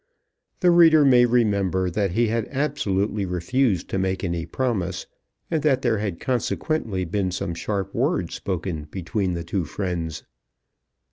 The reader may remember that he had absolutely refused to make any promise, and that there had consequently been some sharp words spoken between the two friends.